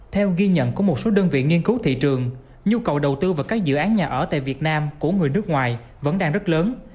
theo ghi nhận của một số đơn vị nghiên cứu thị trường nhu cầu đầu tư vào các dự án nhà ở tại việt nam của người nước ngoài vẫn đang rất lớn